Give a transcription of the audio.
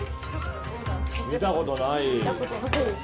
見たことない。